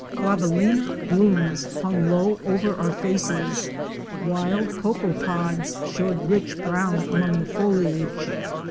Clavillina blooms hung low over our faces; wild cocoa pods showed rich brown among the foliage.